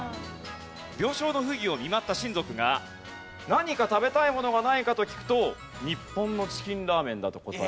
病床の溥儀を見舞った親族が何か食べたいものはないかと聞くと日本のチキンラーメンだと答えたと。